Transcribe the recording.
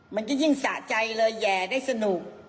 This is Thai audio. มันจะยิ่งสะใจเลยแห่ได้สนุก